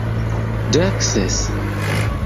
Dek ses!